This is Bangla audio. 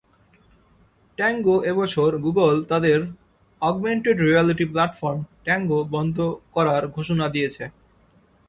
ট্যাংগোএ বছর গুগল তাদের অগমেন্টেড রিয়ালিটি প্ল্যাটফর্ম ট্যাংগো বন্ধ করার ঘোষণা দিয়েছে।